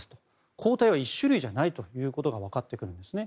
抗体は１種類じゃないというのが分かってくるんですね。